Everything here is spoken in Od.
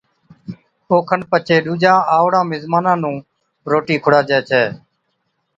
اوکن پڇي ڏُوجان آئوڙان مزمانا نُون روٽِي کُڙاجَي ڇَي